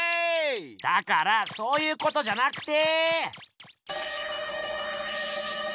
だからそういうことじゃなくて。